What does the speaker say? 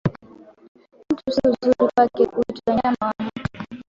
Mtu si uzuri kwake, kuitwa nyama wa mwitu